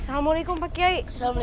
assalamualaikum pak kiai